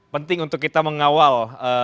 penting untuk kita mengawal